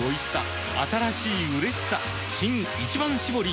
新「一番搾り」